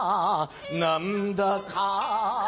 何だか